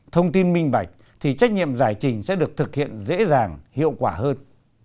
thông tin minh bạch thì trách nhiệm giải trình sẽ được thực hiện dễ dàng hiệu quả hơn